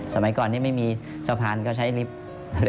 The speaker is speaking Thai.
สมัยก่อนนี้ไม่มีสะพานก็ใช้ลิฟท์